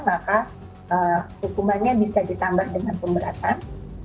maka hukumannya bisa ditambah dengan pemberatan